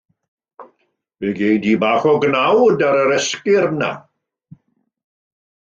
Fe gei di bach o gnawd ar yr esgyrn yna.